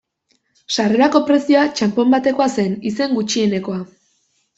Sarrerako prezioa, txanpon batekoa zen, izen gutxienekoa.